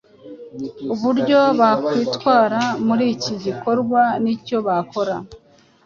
uburyo bakwitwara muri iki gikorwa n’icyo bakora